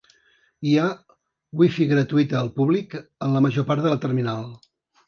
Hi ha Wi-Fi gratuïta al públic en la major part de la terminal.